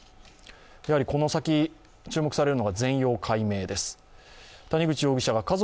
この先注目されるのが全容解明です。